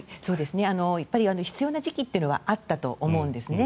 やっぱり必要な時期というのはあったと思うんですね。